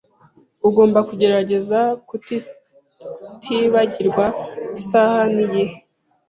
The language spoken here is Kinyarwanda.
Ugomba kugerageza kutibagirwa isaha nigihe.